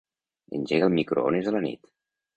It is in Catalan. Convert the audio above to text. Engega el microones a la nit.